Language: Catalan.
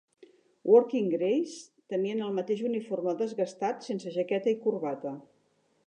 "Working grays" tenien el mateix uniforme desgastat sense jaqueta i corbata.